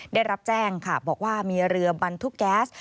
ได้รับแจ้งค่ะบอกว่ามีเรือบรรทุกแก๊ส